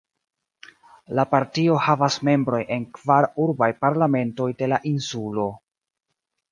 La partio havas membrojn en kvar urbaj parlamentoj de la insulo.